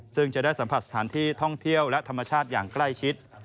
ซึ่งจะได้สัมผัสสถานที่ท่องเที่ยวและธรรมชาติอย่างใกล้ชิด